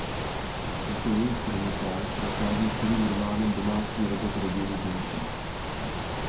Jako jejich kronikář prochází celým románem domácí robot rodiny Jenkins.